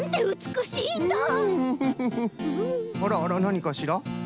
あらあらなにかしら？